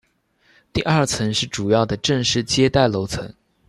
第二层是主要的正式接待楼层。